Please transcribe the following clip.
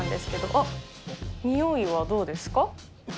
おっ、においはどうですか。